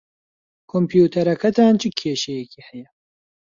کۆمپیوتەرەکەتان چ کێشەیەکی ھەیە؟